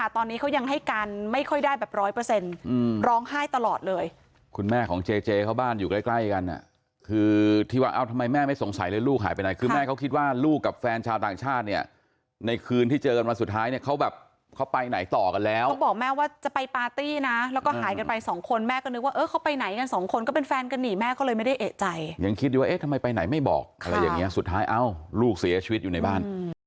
ตอนนี้ก็จะมีการอำพลางศพอะไรแบบนี้นะคะตอนนี้ก็จะมีการอำพลางศพอะไรแบบนี้นะคะตอนนี้ก็จะมีการอำพลางศพอะไรแบบนี้นะคะตอนนี้ก็จะมีการอำพลางศพอะไรแบบนี้นะคะตอนนี้ก็จะมีการอำพลางศพอะไรแบบนี้นะคะตอนนี้ก็จะมีการอำพลางศพอะไรแบบนี้นะคะตอนนี้ก็จะมีการอำพลางศพอะไรแบบนี้นะคะตอนนี้ก็จะมีการอำพลางศพอะไรแบบนี้นะคะตอนนี้ก็จะมีการอำ